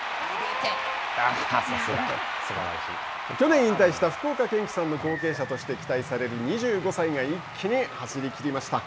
去年、引退した福岡堅樹さんの後継者として期待される２５歳が一気に走りきりました。